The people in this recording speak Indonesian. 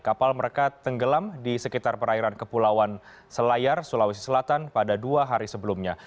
kapal mereka tenggelam di sekitar perairan kepulauan selayar sulawesi selatan pada dua hari sebelumnya